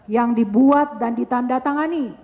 yang dibuat dan ditandatangani